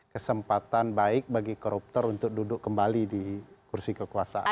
kesempatan baik bagi koruptor untuk duduk kembali di kursi kekuasaan